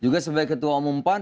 juga sebagai ketua umum pan